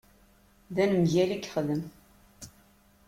D anemgal i yexdem.